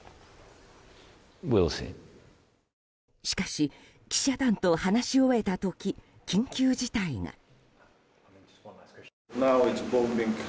しかし、記者団と話し終えた時緊急事態が。